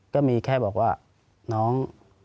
ก็มีแค่บอกว่าน้อง